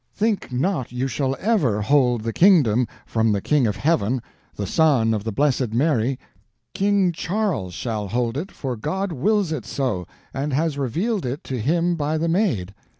Think not you shall ever hold the kingdom from the King of Heaven, the Son of the Blessed Mary; King Charles shall hold it, for God wills it so, and has revealed it to him by the Maid.